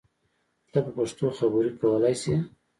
ته په پښتو خبری کولای شی!